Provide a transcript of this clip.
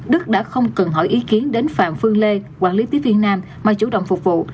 đức đã không cần hỏi ý kiến đến phạm phương lê quản lý tiếp viên nam mà chủ động phục vụ